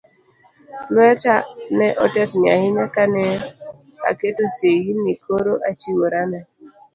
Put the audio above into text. Lweta ne otetni ahinya ka ne aketo seyi ni koro achiwora ne